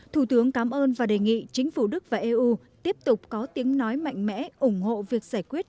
thủ tướng cảm ơn và đề nghị chính phủ đức và eu tiếp tục có tiếng nói mạnh mẽ ủng hộ việc giải quyết